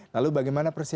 lalu bagaimana persis